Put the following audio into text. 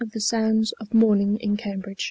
THE SOUNDS OF EVENING IN CAMBRIDGE.